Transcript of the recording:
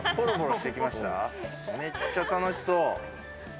めっちゃ楽しそう。